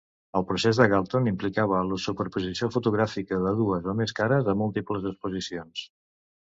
El procés de Galton implicava la superposició fotogràfica de dues o més cares a múltiples exposicions.